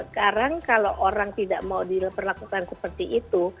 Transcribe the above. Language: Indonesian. sekarang kalau orang tidak mau diperlakukan seperti itu